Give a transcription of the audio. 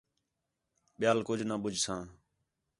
ٻِیال کُج نہ ٻُجھساں